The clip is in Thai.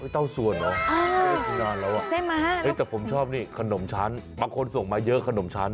เต้าส่วนเหรอเล่นกีฬาแล้วแต่ผมชอบนี่ขนมชั้นบางคนส่งมาเยอะขนมชั้น